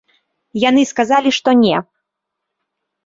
Яны сказалі, што не.